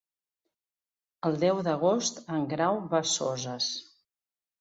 El deu d'agost en Grau va a Soses.